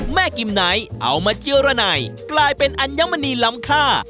แม่กิมนายเอามาเจียรนัยกลายเป็นอัญมณีลำค่า